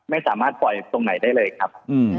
ไม่สามารถปล่อยตรงไหนได้เลยครับ